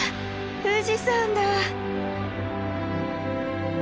富士山だ！